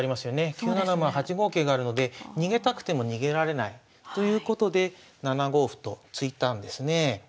９七馬８五桂があるので逃げたくても逃げられないということで７五歩と突いたんですね。